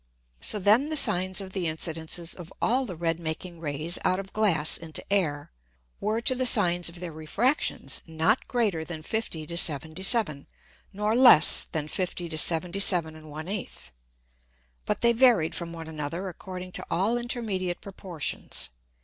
So then the Sines of the Incidences of all the red making Rays out of Glass into Air, were to the Sines of their Refractions, not greater than 50 to 77, nor less than 50 to 77 1/8, but they varied from one another according to all intermediate Proportions.